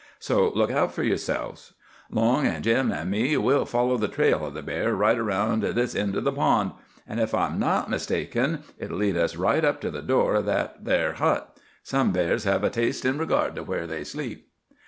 So look out for yourselves. Long an' Jim an' me, we'll follow the trail o' the bear right round this end o' the pond—an' ef I'm not mistaken it'll lead us right up to the door o' that there hut. Some bears hev a taste in regard to where they sleep."